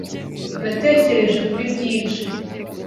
Natekereje kuri byinshi.